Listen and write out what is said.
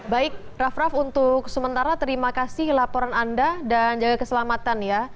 baik raff raff untuk sementara terima kasih laporan anda dan jaga keselamatan ya